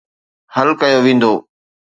حل ڪيو ويندو.